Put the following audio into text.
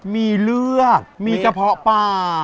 มีเลือดมีกระเพาะปลา